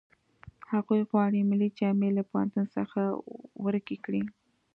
هغه غواړي ملي جامې له پوهنتون څخه ورکې کړي